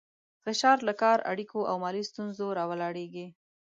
فشار له کار، اړیکو او مالي ستونزو راولاړېږي.